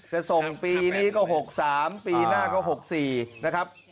จะส่งปีนี้ก็๖๓ปีหน้าก็๖๔นะครับ